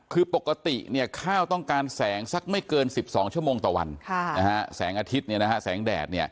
คือปกติข้าวต้องการแสงสักไม่เกิน๑๒ชั่วโมงต่อวันแสงอาทิตย์แสงแดด